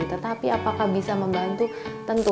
tetapi apakah bisa membantu tentu